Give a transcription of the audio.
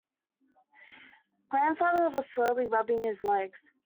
Grandfather was slowly rubbing his legs.